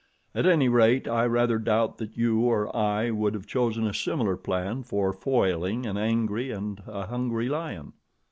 At any rate, I rather doubt that you or I would have chosen a similar plan for foiling an angry and a hungry lion.